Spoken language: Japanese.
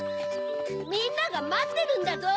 みんながまってるんだぞ。